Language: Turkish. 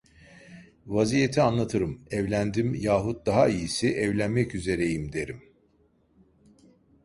Vaziyeti anlatırım, evlendim, yahut daha iyisi evlenmek üzereyim derim.